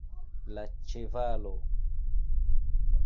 La ĉevalo.